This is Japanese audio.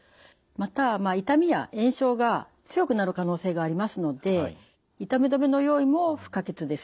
また痛みや炎症が強くなる可能性がありますので痛み止めの用意も不可欠です。